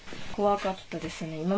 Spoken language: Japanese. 怖かったですね。